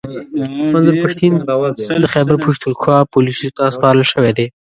منظور پښتین د خیبرپښتونخوا پوليسو ته سپارل شوی دی